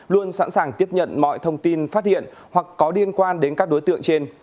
luôn sẵn sàng tiếp nhận mọi thông tin phát hiện hoặc có liên quan đến các đối tượng trên